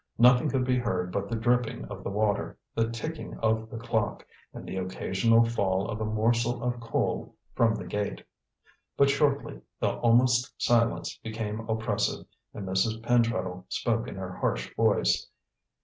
Nothing could be heard but the dripping of the water, the ticking of the clock and the occasional fall of a morsel of coal from the grate. But shortly the almost silence became oppressive, and Mrs. Pentreddle spoke in her harsh voice.